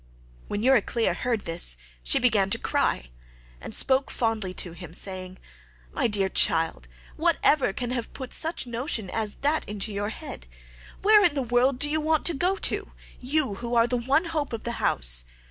When Euryclea heard this she began to cry, and spoke fondly to him, saying, "My dear child, what ever can have put such notion as that into your head? Where in the world do you want to go to—you, who are the one hope of the house?